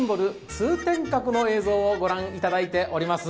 通天閣の映像をご覧いただいています。